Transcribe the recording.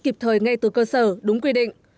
kịp thời ngay từ cơ sở đúng quy định